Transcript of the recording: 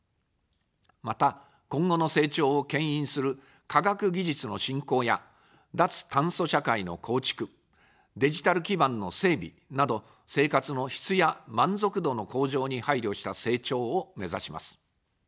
また、今後の成長をけん引する科学技術の振興や脱炭素社会の構築、デジタル基盤の整備など、生活の質や満足度の向上に配慮した成長をめざします。